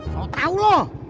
so tau loh